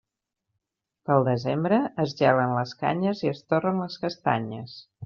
Pel desembre es gelen les canyes i es torren les castanyes.